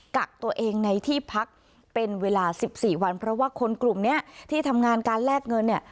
กักตัวเองในที่พักเป็นเวลา๑๔วันเพราะว่าคนกลุ่มนี้ที่ทำงานการแลกเงินเนี่ย